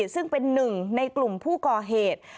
ซึ่งเป็นหนึ่งในกลุ่มผู้ก่อเหตุ